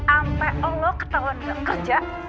ampe allah ketauan gak kerja